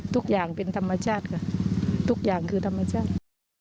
ทุกอย่างเป็นธรรมชาติค่ะทุกอย่างคือธรรมชาติ